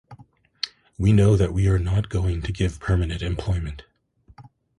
We know that we are not going to give permanent employment.